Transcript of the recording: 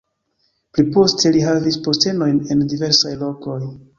Pli poste li havis postenojn en diversaj lokoj.